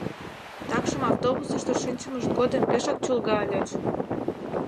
Такшым автобусышто шинчымышт годым пешак чолга ыльыч.